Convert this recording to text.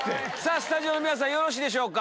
スタジオの皆さんよろしいでしょうか？